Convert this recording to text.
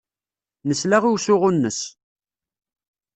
Nesla i usuɣu-nnes.